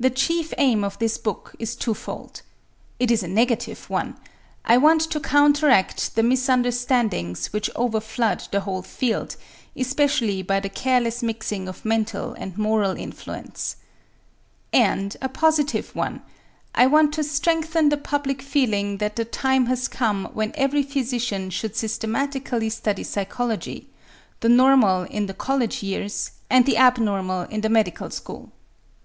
The chief aim of this book is twofold. It is a negative one: I want to counteract the misunderstandings which overflood the whole field, especially by the careless mixing of mental and moral influence. And a positive one: I want to strengthen the public feeling that the time has come when every physician should systematically study psychology, the normal in the college years and the abnormal in the medical school.